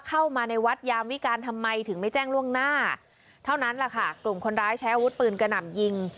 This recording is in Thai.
เข้ามาในวัดยามวิการทำไมถึงไม่แจ้งล่วงหน้าเท่านั้นแหละค่ะกลุ่มคนร้ายใช้อาวุธปืนกระหน่ำยิง